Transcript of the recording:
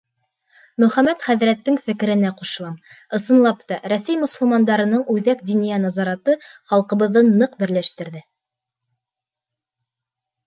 — Мөхәммәт хәҙрәттең фекеренә ҡушылам: ысынлап та, Рәсәй мосолмандарының Үҙәк диниә назараты халҡыбыҙҙы ныҡ берләштерҙе.